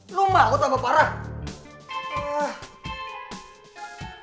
lo mau tambah parah